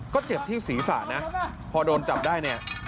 ก็เจ็บที่ศีรษะนะพอโดนจับได้เนี่ย